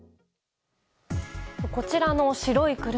こちらの白い車。